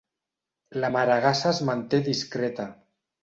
La maregassa es manté discreta.